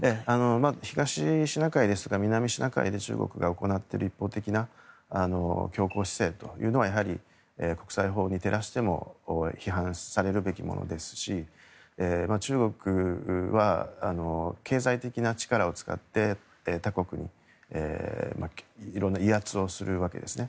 東シナ海ですとか南シナ海で中国が行っている一方的な強硬姿勢というのはやはり、国際法に照らしても批判されるべきものですし中国は経済的な力を使って他国に色んな威圧をするわけですね。